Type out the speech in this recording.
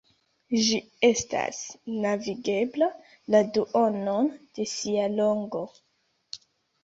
Ĝi estas navigebla la duonon de sia longo.